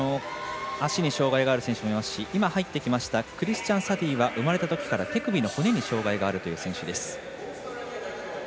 足に障がいがある選手もいますし今、入ってきましてクリスチャン・サディは生まれたときから腕に障がいがある選手です。